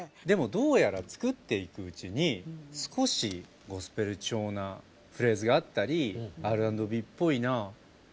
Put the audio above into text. でもどうやら作っていくうちに少しゴスペル調なフレーズがあったりＲ＆Ｂっぽいな。